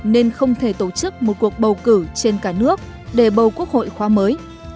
nên không thể tổ chức một cuộc bầu cử trên cả nước để bầu quốc hội khóa mới